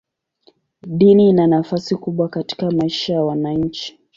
Dini ina nafasi kubwa katika maisha ya wananchi.